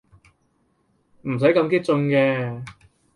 唔使咁激進嘅